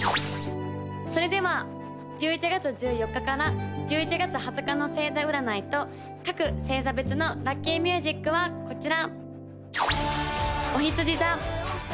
それでは１１月１４日から１１月２０日の星座占いと各星座別のラッキーミュージックはこちら！